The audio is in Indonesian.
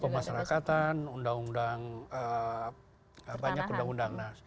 undang undang kompidana undang undang kursus keinginan kemampuan kursus keinginan tersebut